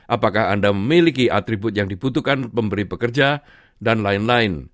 apakah anda memiliki atribut yang dibutuhkan pemberi pekerja dan lain lain